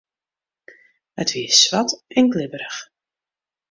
It wie swart en glibberich.